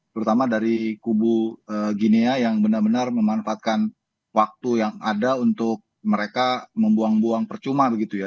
terutama dari kubu ginea yang benar benar memanfaatkan waktu yang ada untuk mereka membuang buang percuma begitu ya